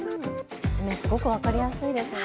説明すごく分かりやすいですよね。